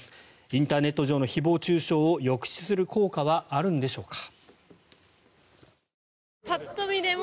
インターネット上の誹謗・中傷を抑止する効果はあるのでしょうか。